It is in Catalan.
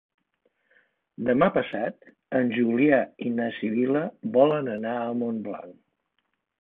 Demà passat en Julià i na Sibil·la volen anar a Montblanc.